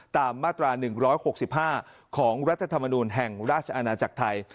ตามมาตรา๑๖๕ของรัฐธรรมนูลแห่งราชอาณาจักรไทย